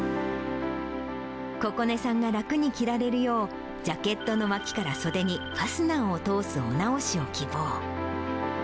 ここねさんが楽に着られるよう、ジャケットの脇から袖にファスナーを通すお直しを希望。